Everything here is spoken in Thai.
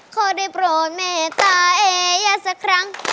ขอได้โปรดเมตตาเอญญาสักครั้ง